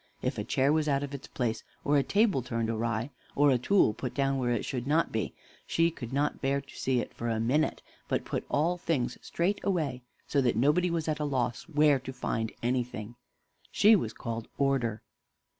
If a chair was out of its place, or a table turned awry, or a tool put down where it should not be, she could not bear to see it for a minute, but put all things straight again, so that nobody was at a loss where to find anything, She was called Order.